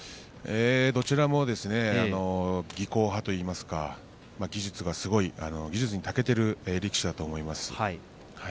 どちらも技巧派といいますか技術がすごい技術に長けている力士だと思います。